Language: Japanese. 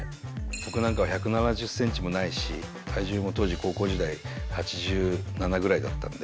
僕なんか１７０センチもないし、体重も当時、高校時代、８７ぐらいだったんで。